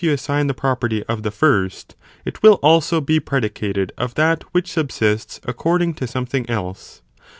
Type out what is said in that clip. assign the property of the first, it will also be predi cated of that which subsists according to something else.